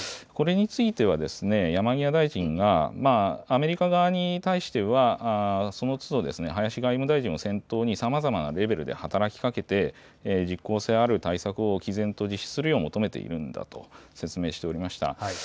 これについては、山際大臣が、アメリカ側に対しては、そのつど、林外務大臣を先頭に、さまざまなレベルで働きかけて、実効性ある対策をきぜんと実施するよう求めているんだと説明しておりました。